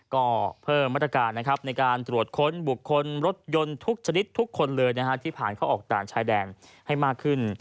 ก็เพิ่มมาตรการนะครับในการตรวจค้นบุคคลรถยนต์ทุกชนิดทุกคนเลยที่ผ่านเข้าออกด่านชายแดนให้มากขึ้น